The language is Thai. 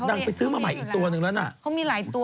นางชอบหมาใช่ไหมนี่ตัวใหญ่นี่ไง